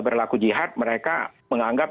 berlaku jihad mereka menganggap